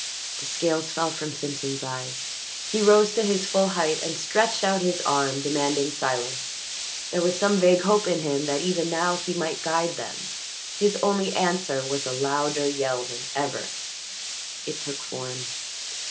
The scales fell from Simpson's eyes. He rose to his full height and stretched out his arm, demanding silence; there was some vague hope in him that even now he might guide them. His only answer was a louder yell than ever. It took form.